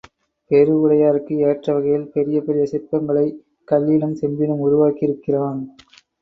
பெரு உடையாருக்கு ஏற்ற வகையில் பெரிய பெரிய சிற்பங்களை கல்லிலும் செம்பிலும் உருவாக்கியிருக்கிறான்.